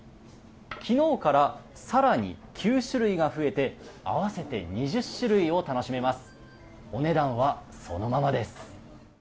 昨日から、更に９種類が増えて合わせて２０種類を楽しめます。